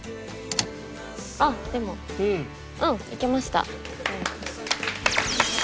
あっでもうんいけました。